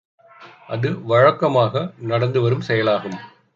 அது வழக்கமாக நடந்து வரும் செயலாகும்.